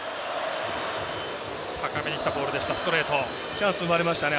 チャンス生まれましたね。